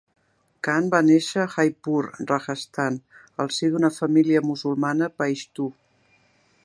Khan va néixer a Jaipur, Rajasthan, al si d'una família musulmana paixtu.